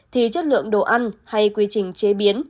thì chất lượng đồ ăn hay quy trình chế biến